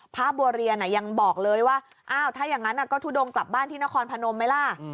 พระบัวเรียนยังบอกเลยว่าอ้าวถ้าอย่างนั้นก็ทุดงกลับบ้านที่นครพนมไหมล่ะ